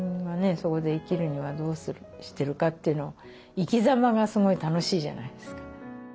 そこで生きるにはどうしてるかっていうのを生き様がすごい楽しいじゃないですか。